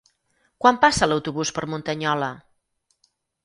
Quan passa l'autobús per Muntanyola?